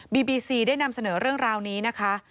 บีซีได้นำเสนอเรื่องราวนี้นะคะ